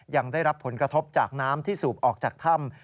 ยังได้รับผลกระทบจากน้ำที่สูบออกจากถ้ำ